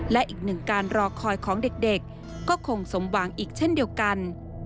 และอีกหนึ่งการรอคอยของเด็กก็คงสมหวังอีกเช่นเดียวกัน